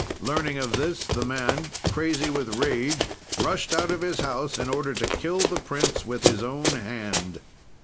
Learning of this, the man, crazy with rage, rushed out of his house in order to kill the prince with his own hand.